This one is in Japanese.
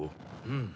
うん。